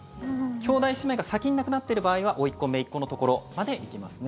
兄弟姉妹が先に亡くなっている場合はおいっ子、めいっ子のところまで行きますね。